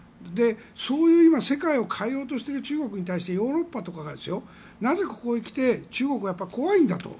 そういう世界を変えようとしている中国に対してヨーロッパとかがなぜ、ここへ来て中国は怖いんだと。